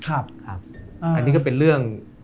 อันนี้ก็เป็นเรื่อง